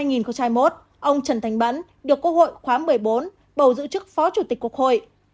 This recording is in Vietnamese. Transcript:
ông trần thánh bẫn được quốc hội khóa một mươi bốn bầu giữ trước phó chủ tịch quốc hội